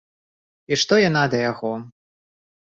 І што яна да яго?